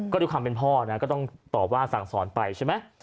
ก็ด้วยความเป็นพ่อนะก็ต้องตอบว่าสั่งสอนไปใช่ไหม